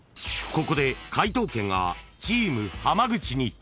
［ここで解答権がチーム浜口に］